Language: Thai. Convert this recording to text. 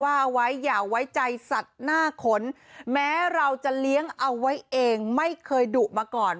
ว่าเอาไว้อย่าไว้ใจสัตว์หน้าขนแม้เราจะเลี้ยงเอาไว้เองไม่เคยดุมาก่อน